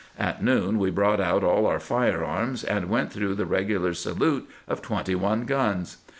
At noon we brought out all our fire arms, and went through the regular salute of twenty one guns.